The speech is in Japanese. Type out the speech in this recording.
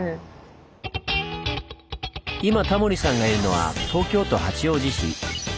今タモリさんがいるのは東京都八王子市。